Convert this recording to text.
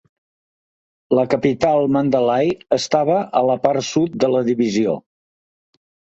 La capital Mandalay estava a la part sud de la divisió.